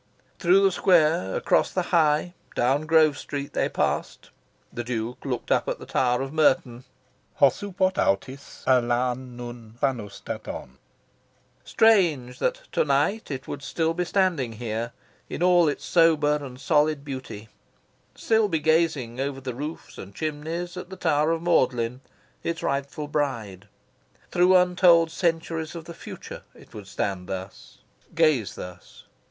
Through the square, across the High, down Grove Street, they passed. The Duke looked up at the tower of Merton, "os oupot authis alla nyn paunstaton." Strange that to night it would still be standing here, in all its sober and solid beauty still be gazing, over the roofs and chimneys, at the tower of Magdalen, its rightful bride. Through untold centuries of the future it would stand thus, gaze thus.